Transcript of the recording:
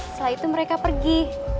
setelah itu mereka pergi